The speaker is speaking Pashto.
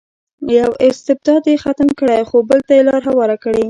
یو استبداد یې ختم کړی خو بل ته یې لار هواره کړې.